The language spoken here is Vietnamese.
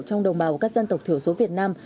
trong đồng bào các dân tộc thiểu số việt nam